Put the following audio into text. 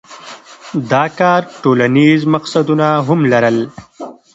دا کار ټولنیز مقصدونه هم لرل.